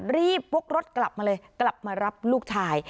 วกรถกลับมาเลยกลับมารับลูกชาย